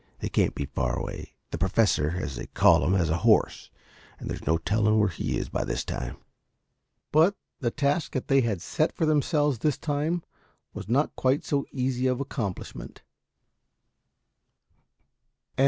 They can't be far away. The Professor, as they call him, has a horse, and there's no telling where he is by this time." But the task they had set for themselves this time, was not quite so easy of accomplishment.